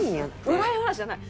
笑い話じゃない。